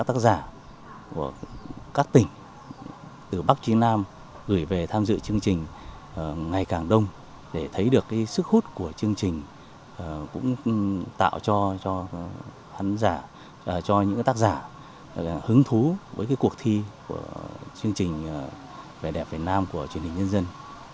các tác giả của các tỉnh từ bắc chí nam gửi về tham dự chương trình ngày càng đông để thấy được cái sức hút của chương trình cũng tạo cho những tác giả hứng thú với cái cuộc thi của chương trình vẻ đẹp việt nam của truyền hình nhân dân